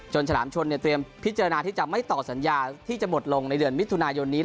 ฉลามชนเตรียมพิจารณาที่จะไม่ต่อสัญญาที่จะหมดลงในเดือนมิถุนายนนี้